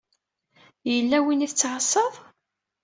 Yella win i tettɛasaḍ?